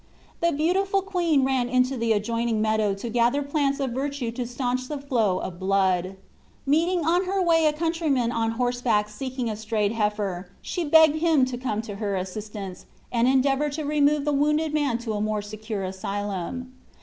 The beautiful queen ran into the adjoining meadow to gather plants of virtue to staunch the flow of blood. Meeting on her way a countryman on horseback seeking a strayed heifer, she begged him to come to her assistance, and endeavor to remove the wounded man to a more secure asylum.